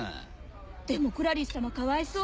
でもクラリスさまかわいそう。